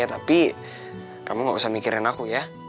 tapi kamu gak usah mikirin aku ya